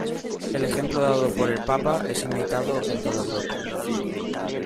El ejemplo dado por el papa es imitado en toda Europa.